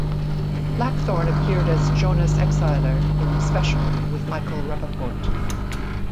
Blackthorne appeared as Jonas Exiler in "Special", with Michael Rapaport.